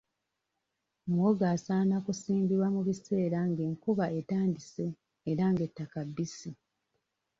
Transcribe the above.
Muwogo asaana kusimbibwa mu biseera ng'enkuba etandise era ng'ettaka bbisi.